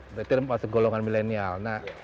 berarti masuk golongan milenial